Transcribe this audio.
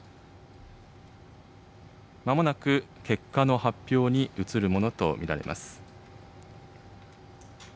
まもなく結果の発表に移るものと見られます。